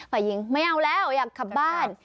ฝ่ายหญิงไม่เอาแล้วอยากกลับบ้าน